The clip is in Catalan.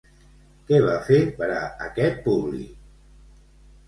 Què va fer per a aquest públic?